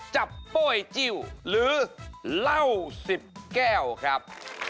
จับโป้ยจิ้วหรือเหล้า๑๐แก้วครับ